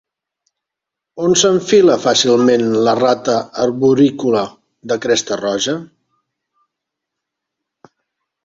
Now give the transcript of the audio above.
On s'enfila fàcilment la rata arborícola de cresta roja?